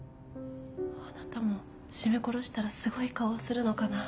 あなたも絞め殺したらすごい顔をするのかな？